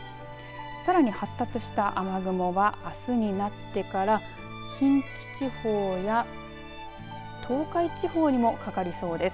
さらに発達した雨雲はあすになってから近畿地方や東海地方にもかかりそうです。